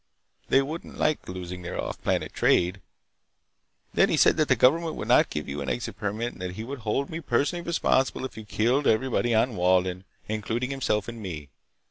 They wouldn't like losing their off planet trade! Then he said that the government would not give you an exit permit, and that he would hold me personally responsible if you killed everybody on Walden, including himself and me.